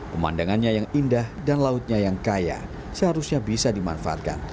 pemandangannya yang indah dan lautnya yang kaya seharusnya bisa dimanfaatkan